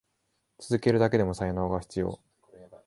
続けるだけでも才能が必要。